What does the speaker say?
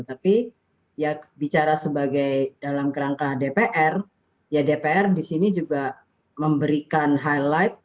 tapi ya bicara sebagai dalam kerangka dpr ya dpr disini juga memberikan highlight